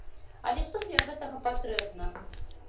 Але што для гэтага патрэбна?